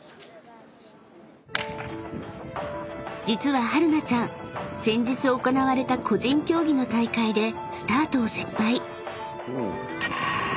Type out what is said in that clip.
［実ははるなちゃん先日行われた個人競技の大会でスタートを失敗］